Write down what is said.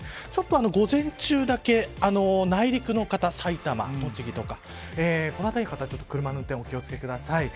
午前中だけ内陸の方、埼玉、栃木とかこの辺りの方は車の運転をお気を付けください。